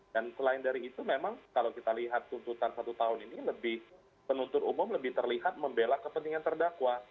selain dari itu memang kalau kita lihat tuntutan satu tahun ini lebih penuntut umum lebih terlihat membela kepentingan terdakwa